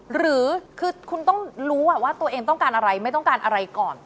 หรือคือคุณต้องรู้ว่าตัวเองต้องการอะไรไม่ต้องการอะไรก่อน